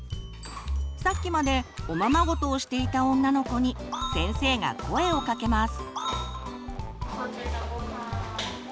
さっきまでおままごとをしていた女の子に先生が声をかけます。